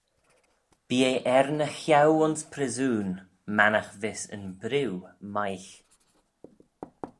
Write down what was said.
Bee eh er ny cheau ayns pryssoon, mannagh vees yn briw meiygh.